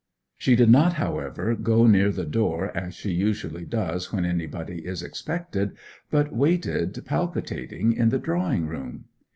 She did not, however, go near the door as she usually does when anybody is expected, but waited palpitating in the drawing room.